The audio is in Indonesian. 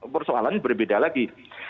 persoalannya berbeda lagi